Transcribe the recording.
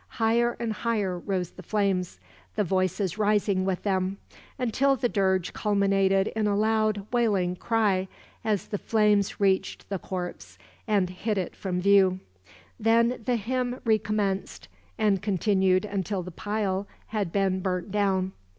Higher and higher rose the flames, the voices rising with them; until the dirge culminated in a loud wailing cry, as the flames reached the corpse, and hid it from view. Then the hymn recommenced, and continued until the pile had been burnt down.